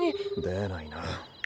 出ないな。